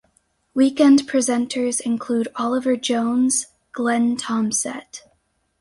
Weekend presenters include Oliver Jones, Glen Thompsett.